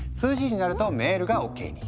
２ＧになるとメールがＯＫに。